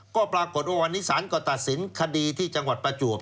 ก็ปรากฏว่าวันนี้ศาลก็ตัดสินคดีที่จังหวัดประจวบ